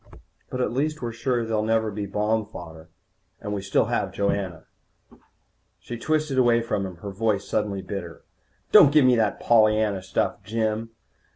But at least we're sure they'll never be bomb fodder. And we still have Joanna." She twisted away from him, her voice suddenly bitter. "Don't give me that Pollyanna stuff, Jim.